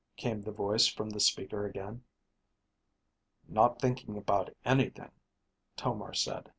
came the voice from the speaker again. "Not thinking about anything," Tomar said.